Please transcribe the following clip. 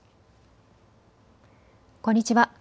こんにちは。